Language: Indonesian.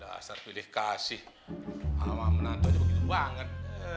dasar pilih kasih awal menantunya banget